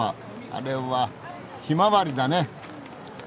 あれはひまわりだね。